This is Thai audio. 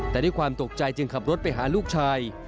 แต่ด้วยความตกใจจึงขับรถไปหาลูกชาย